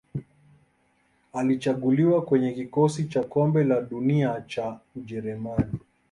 Alichaguliwa kwenye kikosi cha Kombe la Dunia cha Ujerumani.